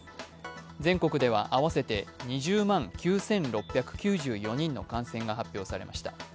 全国では合わせて２０万９６９４人の感染が発表されました。